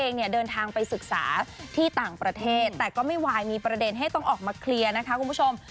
เนี่ยเดินทางไปศึกษาที่ต่างประเทศแต่ก็ไม่วายมีประเด็นให้ต้องออกมาเคลียร์นะคะคุณผู้ชม